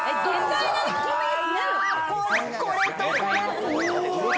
これとこれ！